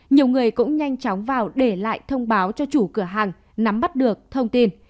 nhiều người cũng nhanh chóng vào để lại thông báo cho chủ cửa hàng nắm bắt được thông tin